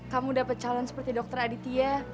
kamu udah pecalon seperti dokter aditya